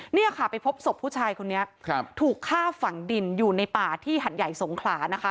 เนี่ยค่ะไปพบศพผู้ชายคนนี้ถูกฆ่าฝังดินอยู่ในป่าที่หัดใหญ่สงขลานะคะ